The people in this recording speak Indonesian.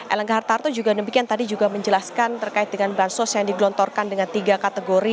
elangga hartarto juga demikian tadi juga menjelaskan terkait dengan bansos yang digelontorkan dengan tiga kategori